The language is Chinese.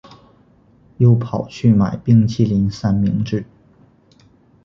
又跑去买冰淇淋三明治